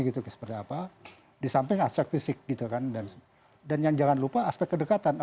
gitu seperti apa di samping aspek fisik gitu kan dan yang jangan lupa aspek kedekatan